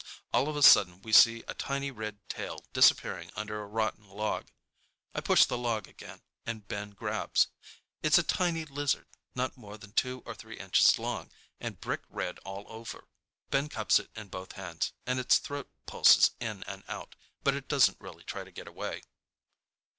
All of a sudden we see a tiny red tail disappearing under a rotten log. I push the log again and Ben grabs. It's a tiny lizard, not more than two or three inches long and brick red all over. Ben cups it in both hands, and its throat pulses in and out, but it doesn't really try to get away.